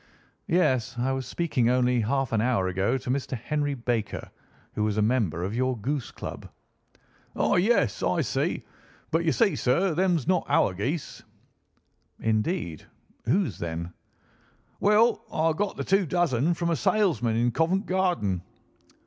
"Yes. I was speaking only half an hour ago to Mr. Henry Baker, who was a member of your goose club." "Ah! yes, I see. But you see, sir, them's not our geese." "Indeed! Whose, then?" "Well, I got the two dozen from a salesman in Covent Garden."